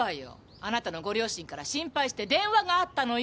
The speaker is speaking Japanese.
あなたのご両親から心配して電話があったのよ！